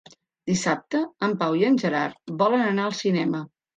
Dissabte en Pau i en Gerard volen anar al cinema.